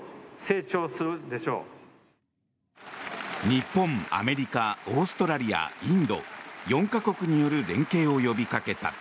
日本、アメリカオーストラリア、インド４か国による連携を呼びかけた。